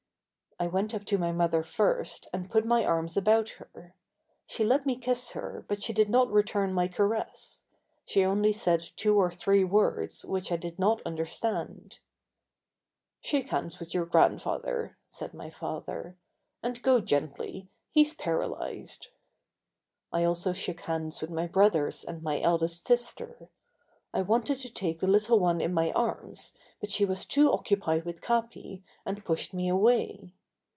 I went up to my mother first and put my arms about her. She let me kiss her but she did not return my caress; she only said two or three words which I did not understand. "Shake hands with your grandfather," said my father, "and go gently; he's paralyzed." I also shook hands with my brothers and my eldest sister. I wanted to take the little one in my arms but she was too occupied with Capi and pushed me away.